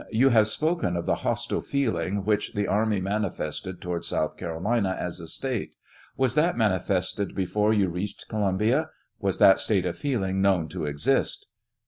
You have spoken of the hostile feeling which the army manifested towards South Carolina as a State ; was that manifested before you reached Columbia ; was that state of feeling known to exist?